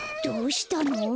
どうしたの？